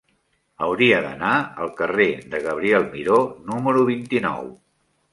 Hauria d'anar al carrer de Gabriel Miró número vint-i-nou.